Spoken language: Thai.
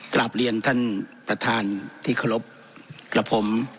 กลับเรียนท่านประธานที่เคารพกับผม